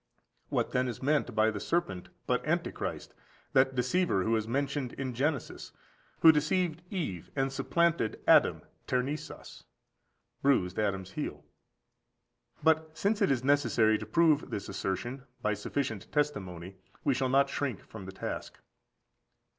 What, then, is meant by the serpent but Antichrist, that deceiver who is mentioned in Genesis,14331433 Gen. iii. 1. who deceived Eve and supplanted Adam (πτερνίσας, bruised Adam's heel)? But since it is necessary to prove this assertion by sufficient testimony, we shall not shrink from the task.